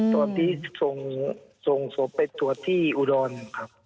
ตอนที่ส่งศพไปตรวจที่อุดรครับ